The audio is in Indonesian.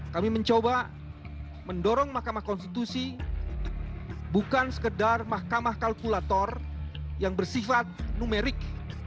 kami mencoba mendorong mahkamah konstitusi bukan sekedar mahkamah kalkulator yang bersifat numerik